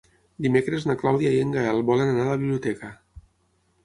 Dimecres na Clàudia i en Gaël volen anar a la biblioteca.